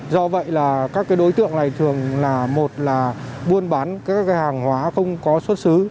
do vậy là các đối tượng này thường là một là buôn bán các hàng hóa không có xuất xứ